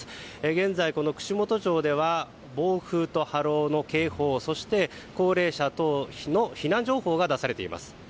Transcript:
現在、串本町では暴風と波浪の警報そして高齢者等の避難情報が出されています。